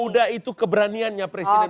udah itu keberaniannya presiden